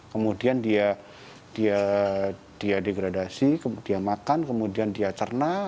kemudian dia degradasi kemudian dia makan kemudian dia cernah